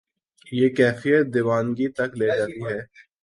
یہ کیفیت دیوانگی تک لے جاتی ہے۔